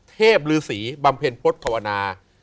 เทพฤษีบำเพ็ญพจน์โธวนา